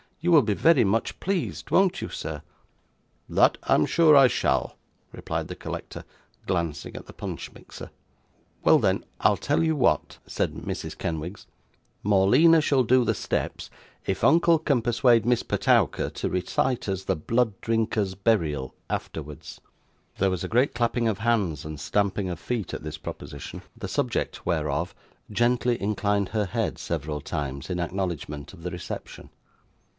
'You will be very much pleased, won't you, sir?' 'That I am sure I shall' replied the collector, glancing at the punch mixer. 'Well then, I'll tell you what,' said Mrs. Kenwigs, 'Morleena shall do the steps, if uncle can persuade Miss Petowker to recite us the Blood Drinker's Burial, afterwards.' There was a great clapping of hands and stamping of feet, at this proposition; the subject whereof, gently inclined her head several times, in acknowledgment of the reception.